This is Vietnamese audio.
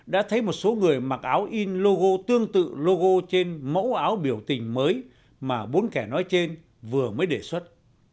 đã thấy một số người mặc áo in logo tương tự logo trên mẫu áo biểu tình mới mà bốn kẻ nói trên vừa mới đề xuất